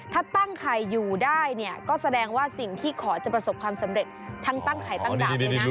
ถ้าตั้งไข่อยู่ได้เนี่ยก็แสดงว่าสิ่งที่ขอจะประสบความสำเร็จทั้งตั้งไข่ตั้งดาบเลยนะ